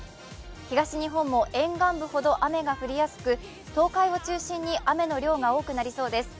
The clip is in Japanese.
東日本も沿岸部ほど雨が降りやすく東海を中心に雨の量が多くなりそうです。